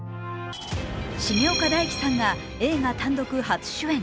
重岡大毅さんが映画単独初主演。